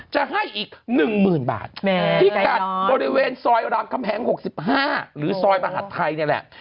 จะให้อีก๑๐๐๐บาทพิกัดบริเวณซอยรามคำแหง๖๕หรือซอยมหัฐไทยนี่แหละ